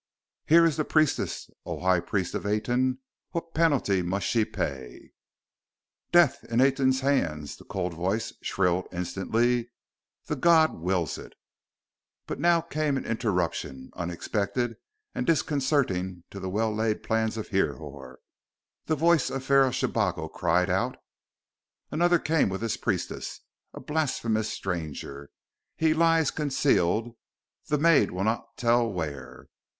"Here is the priestess, O High Priest of Aten! What penalty must she pay?" "Death in Aten's hands!" the cold voice shrilled instantly. "The God wills it!" But now came an interruption, unexpected and disconcerting to the well laid plans of Hrihor. The voice of Pharaoh Shabako cried out: "Another came with this priestess a blasphemous stranger! He lies concealed; the maid will not tell where!